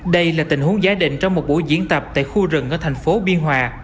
đây là tình huống giá định trong một buổi diễn tập tại khu rừng ở thành phố biên hòa